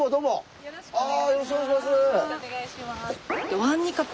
よろしくお願いします！